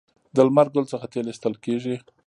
د لمر ګل څخه تیل ایستل کیږي.